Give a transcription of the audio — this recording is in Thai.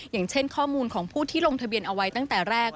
อย่างเช่นข้อมูลของผู้ที่ลงทะเบียนเอาไว้ตั้งแต่แรก